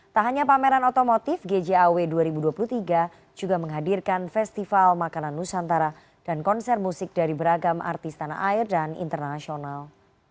tak hanya pameran otomotif gjaw dua ribu dua puluh tiga juga menghadirkan festival makanan nusantara dan konser musik dari beragam artis tanah air dan internasional